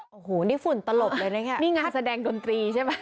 โอ้โหนี่ฝุ่นตลบเลยนะเนี่ยนี่งานแสดงดนตรีใช่ไหม